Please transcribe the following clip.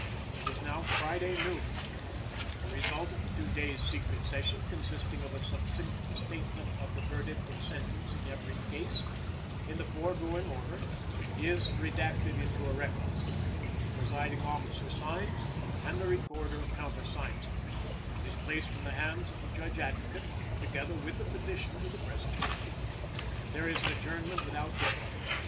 It is now Friday noon. The result of the two days' secret session, consisting of a succinct statement of the verdict and sentence in every case, in the foregoing order, is redacted into a record. The presiding officer signs, and the Recorder countersigns it. It is placed in the hands of the Judge Advocate, together with the petition to the President. There is an adjournment without day.